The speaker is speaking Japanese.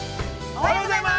◆おはようございます。